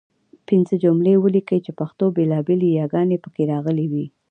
پنځه جملې ولیکئ چې پښتو بېلابېلې یګانې پکې راغلي وي.